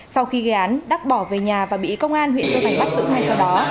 sau khi gây án đắc bỏ về nhà và bị công an huyện châu thành bắt giữ ngay sau đó